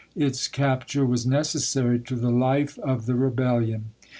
Its capture was necessary to the hfe of the rebellion.